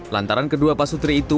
lantaran kedua pasutri itu